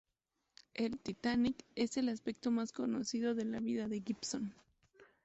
El "Titanic" es el aspecto más conocido de la vida de Gibson.